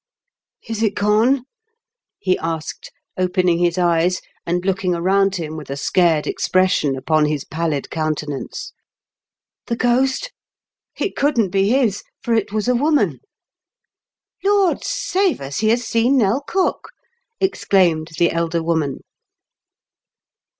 " Is it gone ?" he afiked, opening his eyes and looking around him with a scared expres sion upon his pallid countenance. " The ghost ? It couldn't be his, for it was a woman." " Lord save us ! He has seen Nell Cook 1 " exclaimed the elder woman.